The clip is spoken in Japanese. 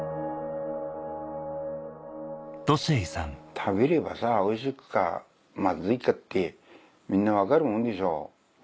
食べればさおいしいかまずいかってみんな分かるもんでしょ。